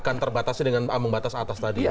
akan terbatasi dengan abang batas atas tadi ya